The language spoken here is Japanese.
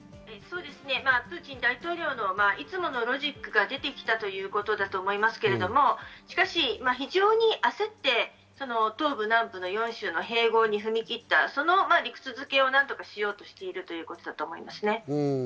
プーチン大統領のいつものロジックが出てきたということだと思いますけど、しかし、非常に焦って東部、南部の４州の併合に踏み切ったその理屈づけを何とかしようとしているということだと思います。